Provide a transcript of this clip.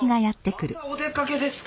またお出かけですか？